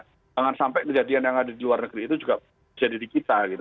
jangan sampai kejadian yang ada di luar negeri itu juga jadi di kita gitu